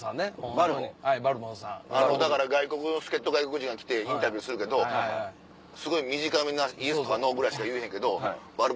だから外国の助っ人外国人が来てインタビューするけどすごい短めなイエスとかノーぐらいしか言えへんけど。